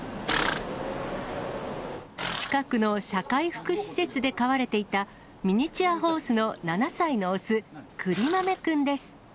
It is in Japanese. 近くの社会福祉施設で飼われていた、ミニチュアホースの７歳の雄、くりまめくんです。